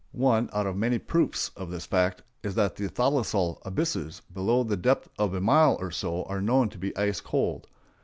One out of many proofs of this fact is that the thalassal abysses below the depth of a mile or so are known to be ice cold.